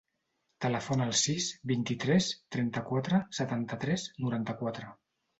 Telefona al sis, vint-i-tres, trenta-quatre, setanta-tres, noranta-quatre.